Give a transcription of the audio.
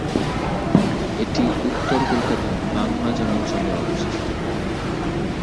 এটি উত্তর কলকাতার বাগবাজার অঞ্চলে অবস্থিত।